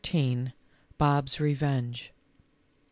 BOBS REVENGE.